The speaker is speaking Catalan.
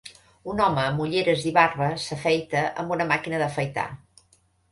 Un home amb ulleres i barba s'afaita amb una màquina d'afaitar.